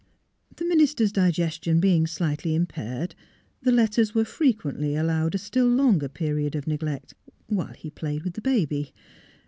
The minister's digestion being slightly im^Daired, the 342 THE HEART OF PHILURA letters were frequently allowed a still longer period of neglect, while he played with the baby.